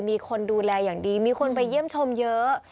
มีคนดูแลอย่างดีมีคนไปเยี่ยมชมเยอะ